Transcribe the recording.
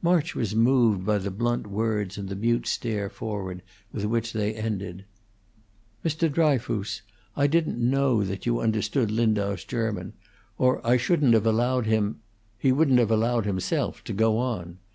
March was moved by the blunt words and the mute stare forward with which they ended. "Mr. Dryfoos, I didn't know that you understood Lindau's German, or I shouldn't have allowed him he wouldn't have allowed himself to go on.